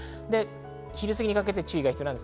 昼過ぎにかけて注意が必要です。